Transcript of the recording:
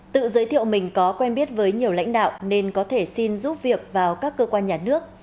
tự giới thiệu mình có quen biết với nhiều lãnh đạo nên có thể xin giúp việc vào các cơ quan nhà nước